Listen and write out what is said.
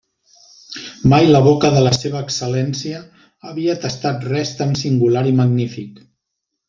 Mai la boca de la seva excel·lència havia tastat res tan singular i magnífic.